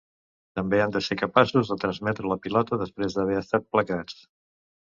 També han de ser capaços de transmetre la pilota després d'haver estat placats.